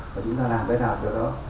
và chúng ta làm cái nào cho nó